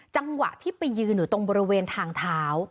จังหวะที่ไปยืนอยู่ตรงบริเวณทางเท้า